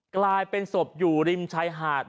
กลายเป็นศพอยู่ริมชายหาด